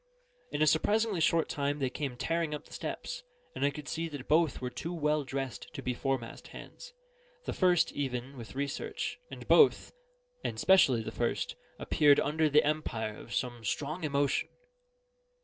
In a surprisingly short time they came tearing up the steps; and I could see that both were too well dressed to be foremast hands the first even with research, and both, and specially the first, appeared under the empire of some strong emotion.